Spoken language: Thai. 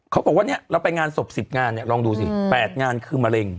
เขาบอกว่าเนี่ยเราไปงานศพ๑๐งานเนี่ยลองดูสิ๘งานคือมะเร็ง